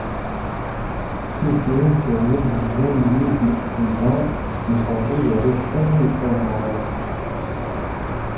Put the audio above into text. Ifri n Tteryel, yellan nnig Temda n Userɣi, d arrac kan ara yettawḍen ɣur-s.